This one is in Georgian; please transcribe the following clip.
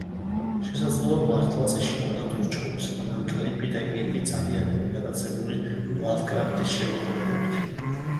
შესაძლოა, მართლაც ეშინოდათ ურჩხულის, რადგან კლიფი და კირკი ძალიან იყვნენ გატაცებულნი ლავკრაფტის შემოქმედებით.